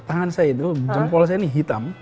tangan saya itu jempol saya ini hitam